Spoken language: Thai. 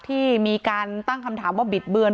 ที่มีการตั้งคำถามว่าบิดเบือน